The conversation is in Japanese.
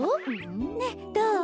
ねっどう？